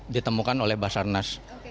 ditemukan oleh basarnas